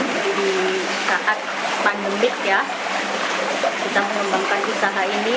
jadi di saat pandemi kita mengembangkan usaha ini